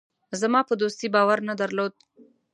زما په دوستۍ باور نه درلود.